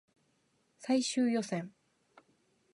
最終予選